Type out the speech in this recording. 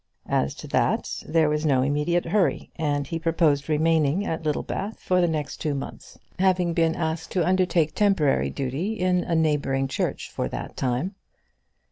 As to that, there was no immediate hurry, and he proposed remaining at Littlebath for the next two months, having been asked to undertake temporary duty in a neighbouring church for that time.